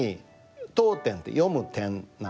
読点って「読む点」なのね。